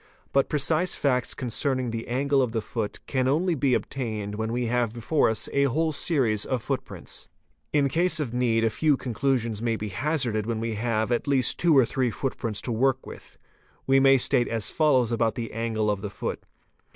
But precise facts concerning the angle of the foot can only be obtained when we haye— ... fe! before us a whole series of footprints. In case of need a few conclusions © may be hazarded when we have at least two or three footprints to work THE WALKING IMAGE 519 with. We may state as follows about the angle of the foot.